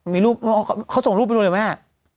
มีหลูปเขาส่งรูปมาดูเลยแม่